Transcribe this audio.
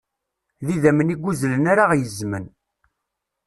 D idammen i yuzzlen ara ɣ-yezzmen.